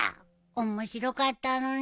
面白かったのに。